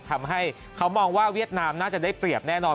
ทำให้เขามองว่าเวียดนามน่าจะได้เปรียบแน่นอน